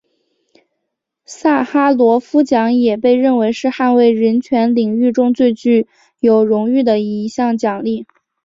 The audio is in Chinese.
萨哈罗夫奖也被认为是捍卫人权领域中最具有荣誉的一项奖励。